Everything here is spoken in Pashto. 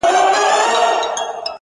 • څومره دي لا وګالو زخمونه د پېړیو,